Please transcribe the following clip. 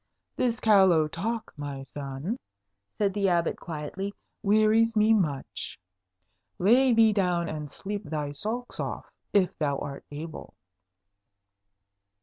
"This callow talk, my son," said the Abbot quietly, "wearies me much. Lay thee down and sleep thy sulks off, if thou art able."